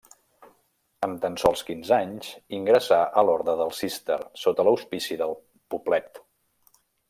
Amb tan sols quinze anys, ingressà a l'Orde del Cister sota l'auspici del Poblet.